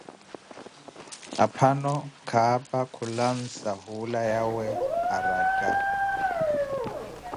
Aphano khapa khulansa hula yawe araka.